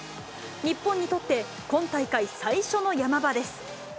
日本にとって、今大会最初のヤマ場です。